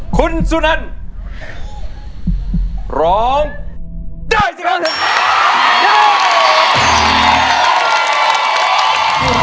คุณสุนันร้องได้สิครับ